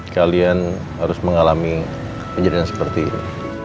kalian harus mengalami kejadian seperti ini